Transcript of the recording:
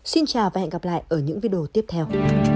xin chào và hẹn gặp lại ở những video tiếp theo